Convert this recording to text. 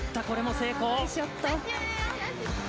これも成功。